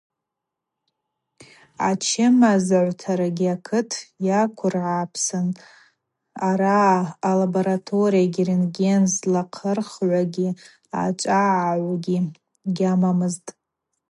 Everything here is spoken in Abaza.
Ачымазагӏвтарагьи акыт йаквыргӏапсын: араъа лабораториягьи рентген злахъырхуагьи ъачӏвагӏагӏвгьи гьаъамызтӏ.